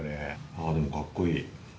ああ、でも、かっこいい。